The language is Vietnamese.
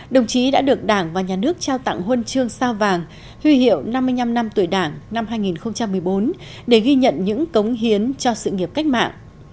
đồng chí đã được đảng và nhà nước trao tặng huân chương sao vàng huy hiệu năm mươi năm năm tuổi đảng năm hai nghìn một mươi bốn để ghi nhận những cống hiến cho sự nghiệp cách mạng